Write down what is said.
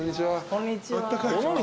こんにちは。